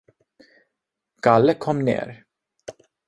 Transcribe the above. Kalle kom ner.